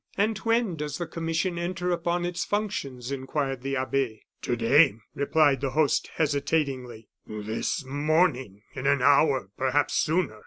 "And when does the commission enter upon its functions?" inquired the abbe. "To day," replied the host, hesitatingly; "this morning in an hour perhaps sooner!"